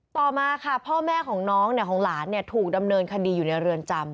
ต่อมาค่ะพ่อแม่ของน้องของหลานถูกดำเนินคดีอยู่ในเรือนจำ